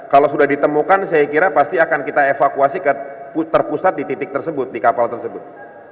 kalau sudah ditemukan saya kira pasti akan kita evakuasi terpusat di titik tersebut di kapal tersebut